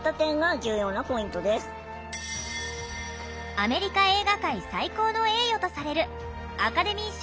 アメリカ映画界最高の栄誉とされるアカデミー賞